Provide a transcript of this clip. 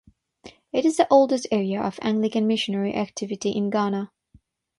It is the oldest area of Anglican missionary activity in Ghana.